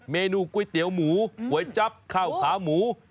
เมนูก๋วยเตี๋ยวหมูก๋วยจั๊บข้าวขาหมู